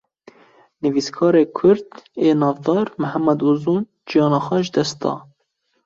Nivîskarê Kurd ê navdar 'Mehmed Uzun, jîyana xwe ji dest da